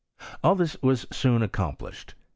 Al! this was soon accomplished.